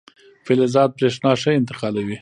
فلزات برېښنا ښه انتقالوي.